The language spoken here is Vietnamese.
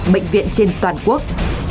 bệnh viện trên toàn quốc